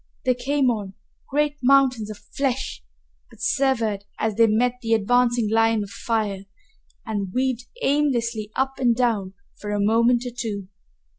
They came on, great mountains of flesh, but swerved as they met the advancing line of fire and weaved aimlessly up and down for a moment or two.